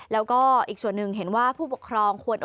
แล้วก็อีกส่วนหนึ่งเห็นว่าผู้ปกครองควร